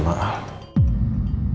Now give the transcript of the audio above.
hmm kok aku rashkan lagi